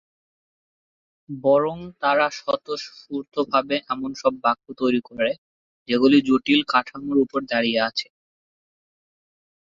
বরং তারা স্বতঃস্ফূর্তভাবে এমন সব বাক্য তৈরি করে, যেগুলি জটিল কাঠামোর উপর দাঁড়িয়ে আছে।